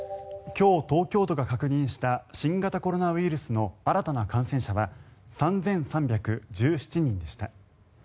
今日、東京都が確認した新型コロナウイルスの新たな感染者は３３１７人でした。